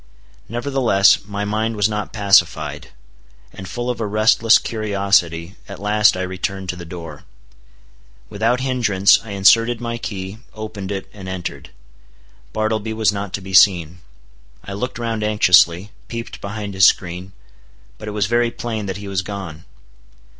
Nevertheless, my mind was not pacified; and full of a restless curiosity, at last I returned to the door. Without hindrance I inserted my key, opened it, and entered. Bartleby was not to be seen. I looked round anxiously, peeped behind his screen; but it was very plain that he was gone.